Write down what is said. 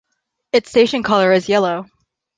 Its station colour is yellow.